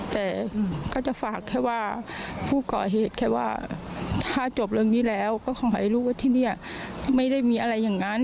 แต่ก็จะฝากแค่ว่าผู้ก่อเหตุแค่ว่าถ้าจบเรื่องนี้แล้วก็ขอให้รู้ว่าที่นี่ไม่ได้มีอะไรอย่างนั้น